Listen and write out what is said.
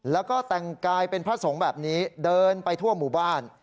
แล้วก็แต่งกายเป็นพระสงฆ์แบบนี้เดินไปทั่วหมู่บ้าน